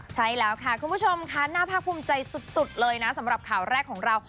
ใช่แล้วค่ะคุณผู้ชมค่ะน่าภาคภูมิใจสุดเลยนะสำหรับข่าวแรกของเรา